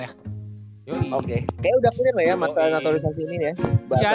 kayaknya udah punya lah ya masalah naturalisasi ini ya